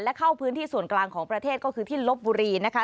และเข้าพื้นที่ส่วนกลางของประเทศก็คือที่ลบบุรีนะคะ